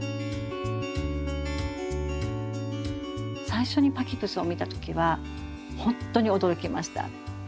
最初にパキプスを見た時はほんとに驚きました。